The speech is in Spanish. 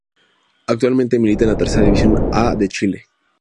Actualmente milita en la Tercera División A de Chile.